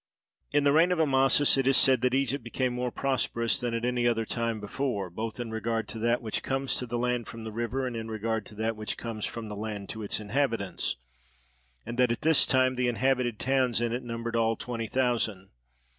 In the reign of Amasis it is said that Egypt became more prosperous than at any other time before, both in regard to that which comes to the land from the river and in regard to that which comes from the land to its inhabitants, and that at this time the inhabited towns in it numbered in all twenty thousand.